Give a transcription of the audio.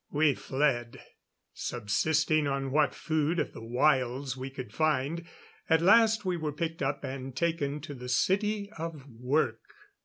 We fled. Subsisting on what food of the wilds we could find, at last we were picked up and taken to the City of Work.